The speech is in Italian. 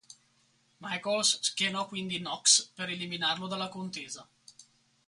Michaels schienò quindi Knox per eliminarlo dalla contesa.